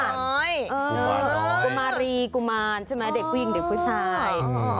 กุมารน้อยกุมารรีกุมารใช่ไหมเด็กหวิ่งเด็กผู้ชาย